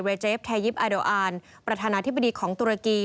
เวเจฟแทยฟอาโดอารประธานาธิบดีของตุรกี